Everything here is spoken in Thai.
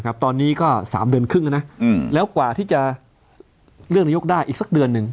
ตอนนี้ก็๓เดือนครึ่งแล้วนะแล้วกว่าที่จะเลือกนายกได้อีกสักเดือนหนึ่ง